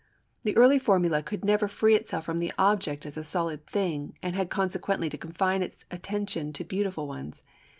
The early formula could never free itself from the object as a solid thing, and had consequently to confine its attention to beautiful ones.